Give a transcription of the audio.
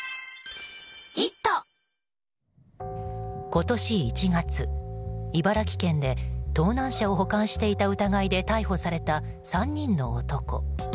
今年１月、茨城県で盗難車を保管していた疑いで逮捕された３人の男。